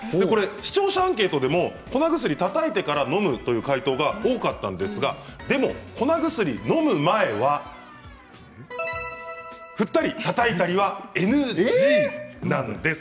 視聴者アンケートでも粉薬、たたいてからのむという回答が多かったんですがでも粉薬をのむ前は振ったりたたいたりはＮＧなんです。